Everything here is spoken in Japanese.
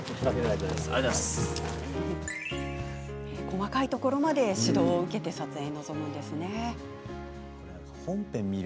細かいところまで指導を受けて撮影に臨むんですね。